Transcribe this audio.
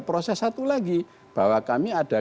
proses satu lagi bahwa kami ada